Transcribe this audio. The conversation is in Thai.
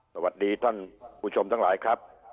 สวัสดีท่านผู้ชมทั้งหลายครับ